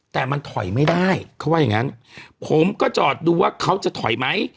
แต่มันถอยไม่ได้เขาว่าอย่างงั้นผมก็จอดดูว่าเขาจะถอยไหม